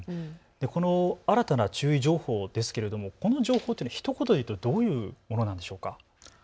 新たな注意情報ですがこの情報はひと言で言うとどういうものなんでしょうか。